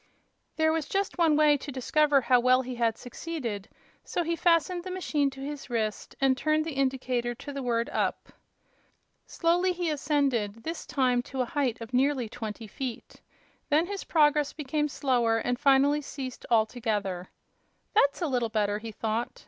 There was just one way to discover how well he had succeeded, so he fastened the machine to his wrist and turned the indicator to the word "up." Slowly he ascended, this time to a height of nearly twenty feet. Then his progress became slower and finally ceased altogether. "That's a little better," he thought.